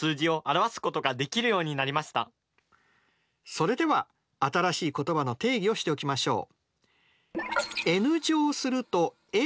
それでは新しい言葉の定義をしておきましょう。